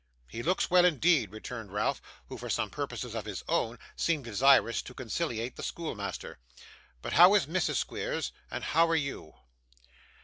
'He looks well, indeed,' returned Ralph, who, for some purposes of his own, seemed desirous to conciliate the schoolmaster. 'But how is Mrs Squeers, and how are you?